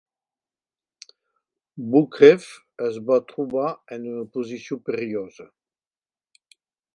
Boukreev es va trobar en una posició perillosa.